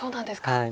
はい。